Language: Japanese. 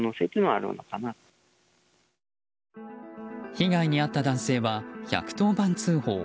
被害に遭った男性は１１０番通報。